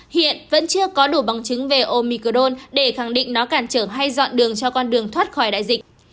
hiện vẫn chưa có đủ bằng chứng về omicrone để khẳng định nó cản trở hay dọn đường cho con đường thoát khỏi đại dịch